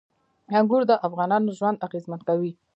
انګور د افغانانو ژوند اغېزمن کوي.